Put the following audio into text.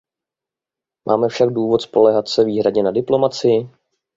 Máme však důvod spoléhat se výhradně na diplomacii?